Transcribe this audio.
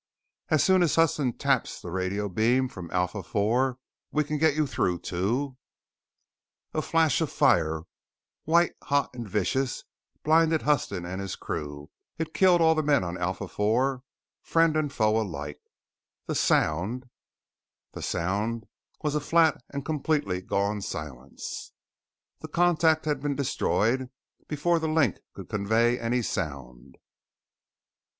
As soon as Huston taps the radio beam from Alpha IV, we can get you through to " A flash of fire white hot and vicious blinded Huston and his crew. It killed all the men on Alpha IV friend and foe alike. The sound The sound was a flat and completely gone silence. The contact had been destroyed before the link could convey any sound.